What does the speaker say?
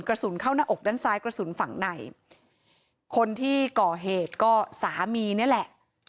กระสุนเข้าหน้าอกด้านซ้ายกระสุนฝั่งในคนที่ก่อเหตุก็สามีนี่แหละ